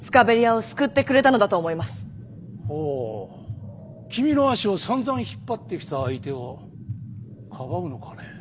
ほう君の足をさんざん引っ張ってきた相手をかばうのかね。